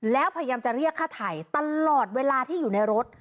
แล้วพยายามจะเรียกค่าไถ่ตลอดเวลาที่อยู่ในรถ